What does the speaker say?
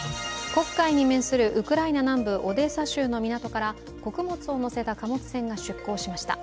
黒海に面するウクライナ南部オデーサ州の港から穀物を載せた貨物船が出港しました。